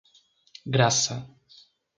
Graça